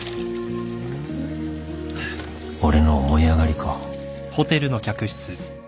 俺の思い上がりか